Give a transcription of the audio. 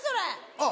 あっ！